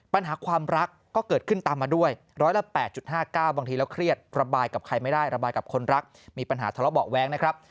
ปัญหาความรักก็เกิดขึ้นตามมาด้วยร้อยละ๘๕๙บางทีแล้วเครียดระบายกับใครไม่ได้ระบายกับคนรักมีปัญหาทะเลาะเบาะแว้งนะครับ